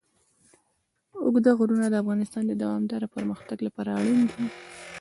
اوږده غرونه د افغانستان د دوامداره پرمختګ لپاره اړین دي.